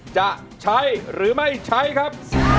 จะใช้หรือไม่ใช้ครับ